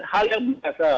hal yang berbeda